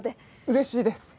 うれしいです。